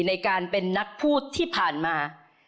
ในการเป็นนักพูดที่ผ่านมา